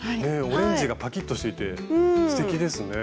オレンジがパキッとしていてすてきですね。